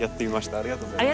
ありがとうございます。